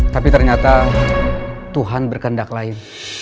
tapi ternyata tuhan berkendak lain